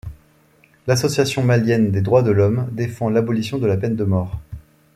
L'Association malienne des droits de l'homme défend l'abolition de la peine de mort.